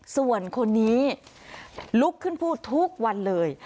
ส่วนคนนี้ลุกขึ้นพูดทุกวันเลย